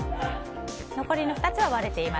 残りの２つは割れています。